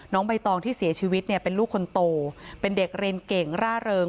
ใบตองที่เสียชีวิตเนี่ยเป็นลูกคนโตเป็นเด็กเรียนเก่งร่าเริง